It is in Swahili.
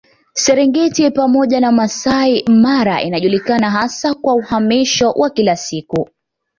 Serengeti pamoja na Masai Mara inajulikana hasa kwa uhamisho wa kila siku